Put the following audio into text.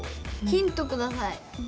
ヒントください。